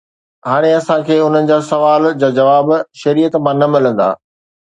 هاڻي اسان کي انهن سوالن جا جواب شريعت مان نه ملندا.